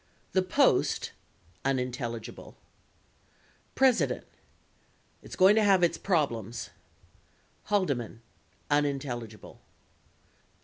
The Post [unintelligible] President. It's going to have its problems Haldeman. [unintelligible]